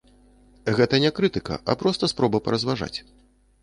Гэта не крытыка, а проста спроба паразважаць.